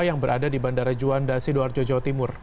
yang berada di bandara juanda sidoarjo jawa timur